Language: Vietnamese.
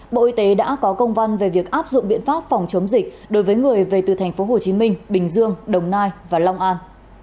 bộ y tế đã có công văn về việc áp dụng biện pháp phòng chống dịch đối với người về từ tp hcm bình dương đồng nai và long an